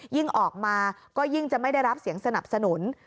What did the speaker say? ออกมาก็ยิ่งจะไม่ได้รับเสียงสนับสนุน